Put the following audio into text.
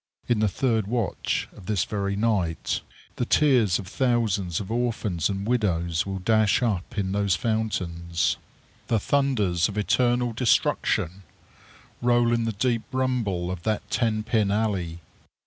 In the third watch of this very night, the tears of thousands of orphans and widows will dash up in those fountains. The thunders of eternal destruction roll in the deep rumble of that ten pin alley.